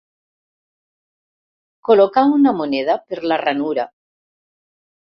Col·locà una moneda per la ranura.